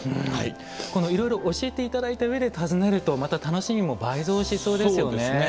いろいろ教えていただいた上で訪ねると、また楽しみも倍増しそうですよね。